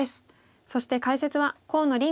そして解説は河野臨九段です。